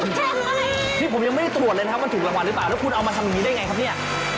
นี่ผมยังไม่ได้ตรวจเลยนะครับว่าถูกรางวัลหรือเปล่าแล้วคุณเอามาทำอย่างนี้ได้ไงครับเนี่ย